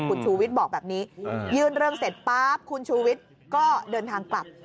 คุณชูวิทย์บอกแบบนี้ยื่นเรื่องเสร็จป๊าบคุณชูวิทย์ก็เดินทางกลับ